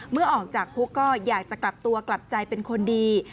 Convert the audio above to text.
เมื่อออกจากคุกก็อยากจะกลับตัวกลับใจเป็นคนดี